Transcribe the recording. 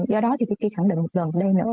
do đó thì tôi khẳng định một lần đây nữa